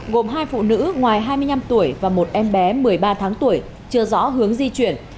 gồm hai phụ nữ ngoài hai mươi năm tuổi và một em bé một mươi ba tháng tuổi chưa rõ hướng di chuyển